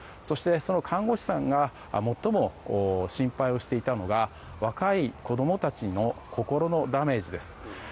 そして、その看護師さんが最も心配していたのが若い子供たちの心のダメージです。